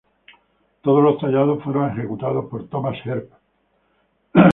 Todos los tallados fueron ejecutados por Thomas Earp.